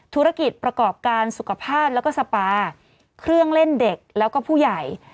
ธุรกิจประกอบการสุขภาพแล้วก็สปาเครื่องเล่นเด็กแล้วก็ผู้ใหญ่